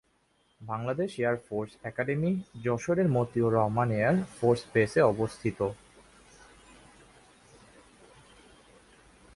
Bangladesh air force academy Jessore এর Matiur Rahman air force বেস-এ অবস্থিত।